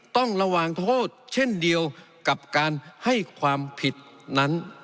ต้องระวังโทษเช่นเดียวกับการให้ความผิดนั้น